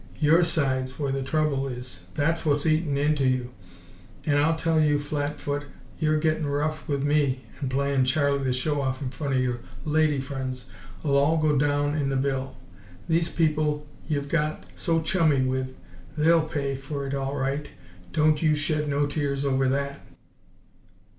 YOUR side's where the trouble is; that's what's eatin' into you. An' I'll tell you flat foot, your gittin' rough 'ith me and playin' Charley the Show Off in front o' yer lady friends'll all go down in the bill. These people ye've got so chummy with THEY'LL pay f'r it all right, don't you shed no tears over that!"